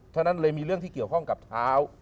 ฉะนั้นเลยมีเรื่องที่เกี่ยวข้องกับเท้า